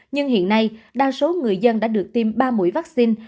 nhưng hiện nay đa số người dân đã được tiêm ba mũi vaccine